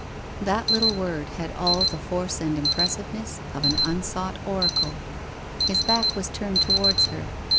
That little word had all the force and impressiveness of an unsought oracle. His back was turned towards her.